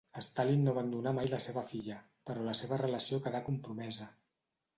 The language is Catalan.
Stalin no abandonà mai la seva filla, però la seva relació quedà compromesa.